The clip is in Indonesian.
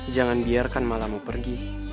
jangan biarkan malamu pergi